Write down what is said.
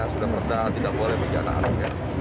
sudah berda tidak boleh berjana anak anak